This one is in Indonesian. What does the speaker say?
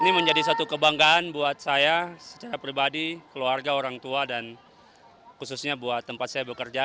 ini menjadi satu kebanggaan buat saya secara pribadi keluarga orang tua dan khususnya buat tempat saya bekerja